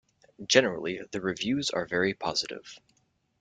Generally the reviews are very positive.